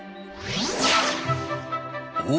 お！